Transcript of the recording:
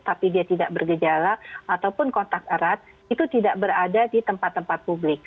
tapi dia tidak bergejala ataupun kontak erat itu tidak berada di tempat tempat publik